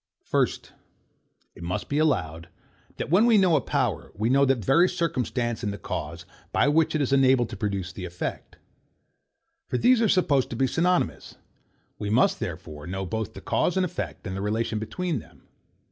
First, It must be allowed, that, when we know a power, we know that very circumstance in the cause, by which it is enabled to produce the effect: For these are supposed to be synonimous. We must, therefore, know both the cause and effect, and the relation between them.